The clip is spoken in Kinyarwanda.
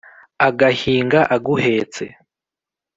agahinga aguhetse,